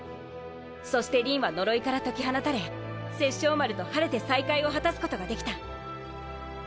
そしてりんは呪いから解き放たれ殺生丸と晴れて再会を果たすことができた。